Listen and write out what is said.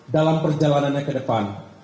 dalam perjalanannya ke depan